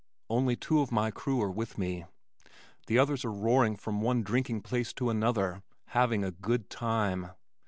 Only two of my crew are with me. The others are roaring from one drinking place to another, having a "good time."